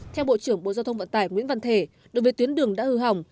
theo bộ trưởng bộ giao thông vận tải nguyễn văn thể đối với tuyến đường đã hư hỏng